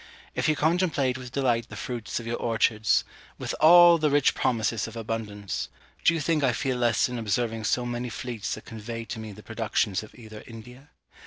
If you contemplate with delight the fruits of your orchards, with all the rich promises of abundance, do you think I feel less in observing so many fleets that convey to me the productions of either India?